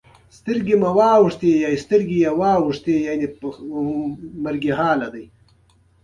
ایا ستاسو دښمنان کم نه دي؟